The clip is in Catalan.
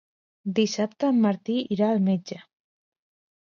Dissabte en Martí irà al metge.